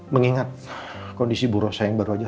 mengingat kondisi bu rosa yang baru aja